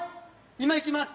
今行きます！